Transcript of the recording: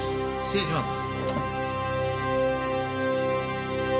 失礼します。